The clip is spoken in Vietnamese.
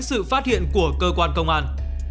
sự phát hiện của cơ quan công an